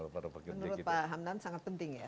menurut pak hamdan sangat penting ya